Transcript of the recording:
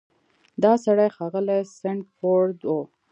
دا سړی ښاغلی سنډفورډ و.